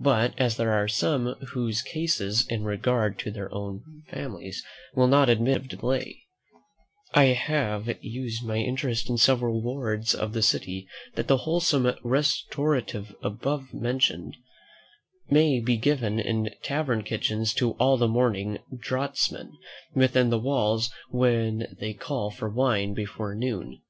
But as there are some whose cases, in regard to their families, will not admit of delay, I have used my interest in several wards of the city, that the wholesome restorative above mentioned may be given in tavern kitchens to all the morning draughtsmen within the walls when they call for wine before noon.